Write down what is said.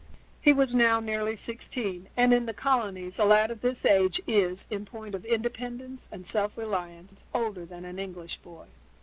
He was now nearly sixteen, and in the colonies a lad of this age is, in point of independence and self reliance, older than an English boy.